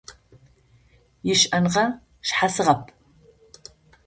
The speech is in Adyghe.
Ищыӏэныгъэ шъхьасыгъэп…